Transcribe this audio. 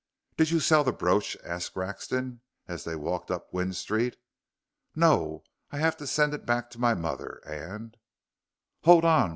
"Did you sell the brooch?" asked Grexon as they walked up Gwynne Street. "No. I have to send it back to my mother, and " "Hold on!"